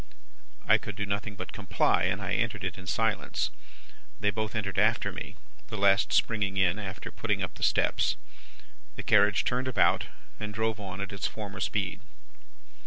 "I could do nothing but comply, and I entered it in silence. They both entered after me the last springing in, after putting up the steps. The carriage turned about, and drove on at its former speed.